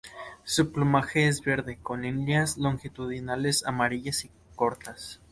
Su plumaje es verde con líneas longitudinales amarillas y cortas.